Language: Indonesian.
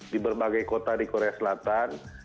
di berbagai kota di korea selatan